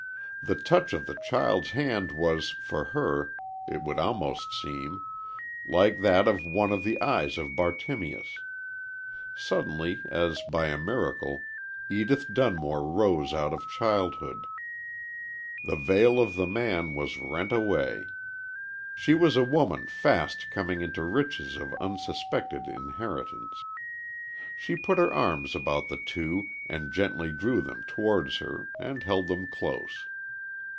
The touch of the child's hand was, for her, it would almost seem, like that of One on the eyes of Bartimeus. Suddenly, as by a miracle, Edith Dunmore rose out of childhood. The veil of the nun was rent away. She was a woman fast coming into riches of unsuspected inheritance. She put her arms about the two and gently drew them towards her and held them close.